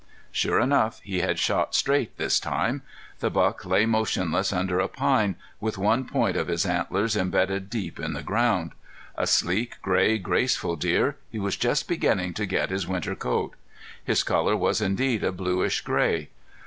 Sure enough he had shot straight this time. The buck lay motionless under a pine, with one point of his antlers imbedded deep in the ground. A sleek, gray, graceful deer he was just beginning to get his winter coat. His color was indeed a bluish gray.